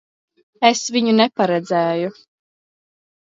Es viņu neparedzēju.